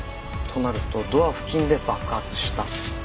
となるとドア付近で爆発した？